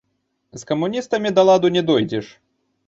З камуністамі да ладу не дойдзеш.